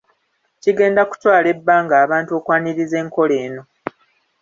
Kigenda kutwala ebbanga abantu okwaniriza enkola eno.